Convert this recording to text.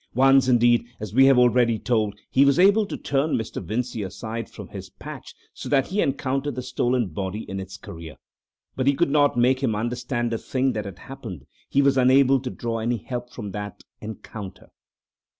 Once, indeed, as we have already told, he was able to turn Mr. Vincey aside from his path so that he encountered the stolen body in its career, but he could not make him understand the thing that had happened: he was unable to draw any help from that encounter....